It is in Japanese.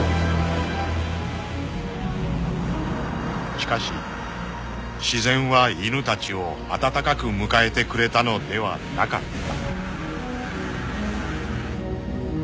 ［しかし自然は犬たちを温かく迎えてくれたのではなかった］